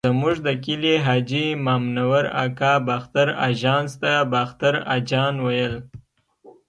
زموږ د کلي حاجي مامنور اکا باختر اژانس ته باختر اجان ویل.